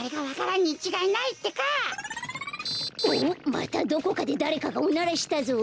またどこかでだれかがおならしたぞ。